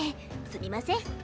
すみません。